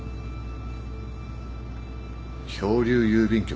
漂流郵便局？